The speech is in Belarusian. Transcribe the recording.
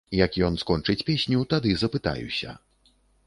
Як ён скончыць песню, тады запытаюся.